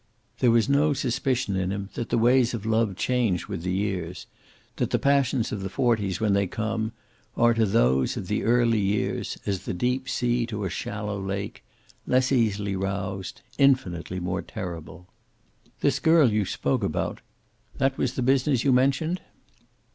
There was no suspicion in him that the ways of love change with the years, that the passions of the forties, when they come, are to those of the early years as the deep sea to a shallow lake, less easily roused, infinitely more terrible. "This girl you spoke about, that was the business you mentioned?"